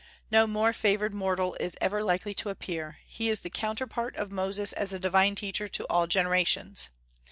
No more favored mortal is ever likely to appear; he is the counterpart of Moses as a divine teacher to all generations.